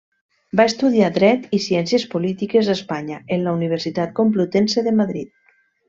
Va estudiar Dret i Ciències Polítiques a Espanya, en la Universitat Complutense de Madrid.